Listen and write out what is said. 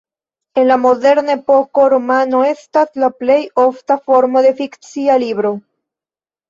En la moderna epoko romano estas la plej ofta formo de fikcia libro.